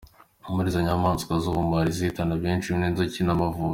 Muri izo nyamaswa z’ubumara izihitana benshi ni inzuki n’amavubi.